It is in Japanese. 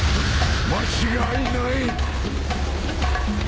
間違いない。